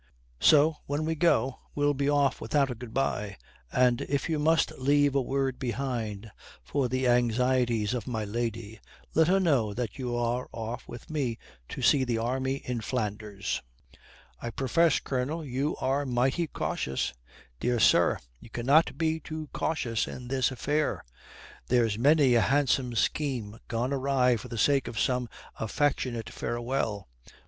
So when we go, we'll be off without a good bye, and if you must leave a word behind for the anxieties of my lady, let her know that you are off with me to see the army in Flanders." "I profess, Colonel, you are mighty cautious." "Dear sir, we cannot be too cautious in this affair. There's many a handsome scheme gone awry for the sake of some affectionate farewell.